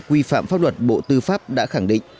quy phạm pháp luật bộ tư pháp đã khẳng định